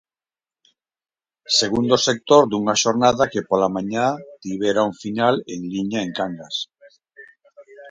Segundo sector dunha xornada que pola mañá tivera un final en liña en Cangas.